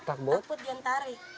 takut takut dia tarik